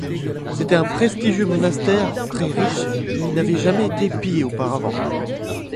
C'était un prestigieux monastère très riche qui n'avait jamais été pillé auparavant.